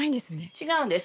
違うんです。